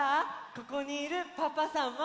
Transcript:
ここにいるパパさんママさん